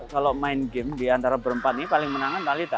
kalau main game di antara berempat ini paling menangan balita